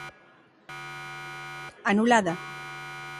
Anulada.